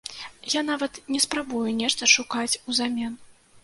Я нават не спрабую нешта шукаць узамен.